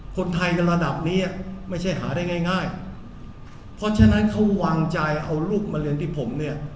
คนไทยระดับนี้ไม่ใช่หาได้ง่ายง่ายเพราะฉะนั้นเขาวางใจเอาลูกมาเรียนที่ผมเนี่ย